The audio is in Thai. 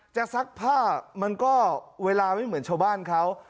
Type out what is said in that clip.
จะซักผ้าเวลี้่งไม่เหมือนช่อบ้านเขา